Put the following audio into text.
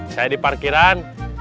saya di parkiran